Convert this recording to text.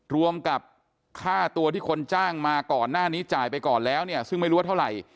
รวมกับค่าตัวที่คนจ้างมาก่อนหน้านี้จ่ายไปก่อนแล้วเนี่ยซึ่งไม่รู้ว่าเท่าไหร่